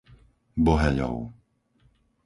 Boheľov